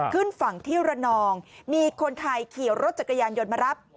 ขึ้นฝั่งที่ระนองมีคนไทยขี่รถจักรยานยนต์มารับ